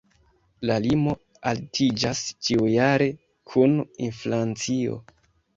La limo altiĝas ĉiujare kun inflacio.